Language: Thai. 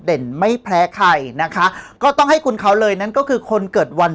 ไม่แพ้ใครนะคะก็ต้องให้คุณเขาเลยนั่นก็คือคนเกิดวัน